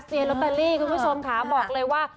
ลอตเตอรี่คุณผู้ชมค่ะบอกเลยว่า